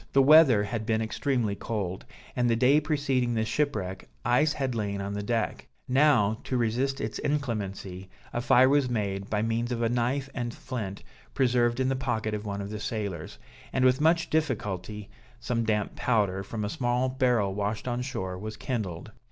The weather had been extremely cold, and the day preceding the shipwreck ice had lain on the deck; now, to resist its inclemency, a fire was made, by means of a knife and a flint preserved in the pocket of one of the sailors; and with much difficulty, some damp powder, from a small barrel washed on shore, was kindled.